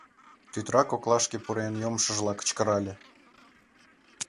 Тӱтыра коклашке пурен йомшыжла кычкырале: